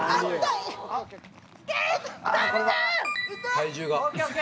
「体重が」